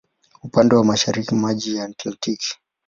Upande wa mashariki maji ya Atlantiki.